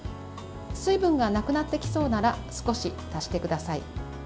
水分がなくなってきそうなら少し足してください。